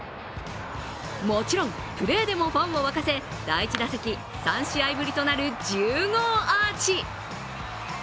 もちろん、プレーでもファンをわかせ第１打席、３試合ぶりとなる１０号アーチ。